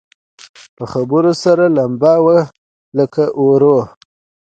په خبرو سره لمبه وه لکه اور وه